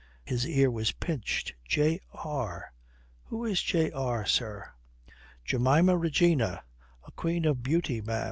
His ear was pinched. "J.R. Who is J.R., sir?" "Jemima Regina. A queen of beauty, ma'am.